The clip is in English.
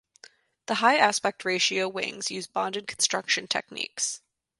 The high aspect ratio wings use bonded construction techniques.